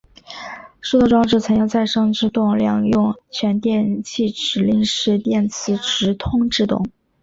制动装置采用再生制动两用全电气指令式电磁直通制动。